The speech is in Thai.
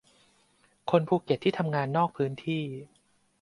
คนภูเก็ตที่ทำงานนอกพื้นที่